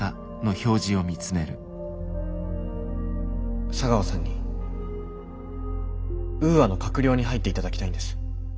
回想茶川さんにウーアの閣僚に入っていただきたいんです。